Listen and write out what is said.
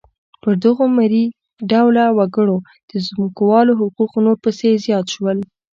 پر دغو مري ډوله وګړو د ځمکوالو حقوق نور پسې زیات شول.